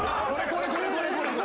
これこれこれこれ！